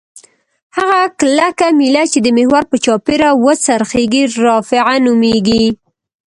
هغه کلکه میله چې د محور په چاپیره وڅرخیږي رافعه نومیږي.